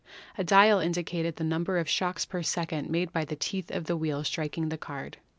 A dial indicated the number of shocks per second made by the teeth of the wheel striking the card.